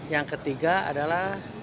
yang ketiga adalah